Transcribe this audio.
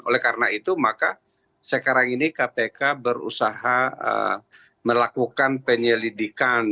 oleh karena itu maka sekarang ini kpk berusaha melakukan penyelidikan